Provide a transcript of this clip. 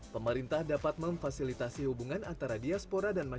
pemerintah dapat memfasilitasi hubungan antara diaspora dan masyarakat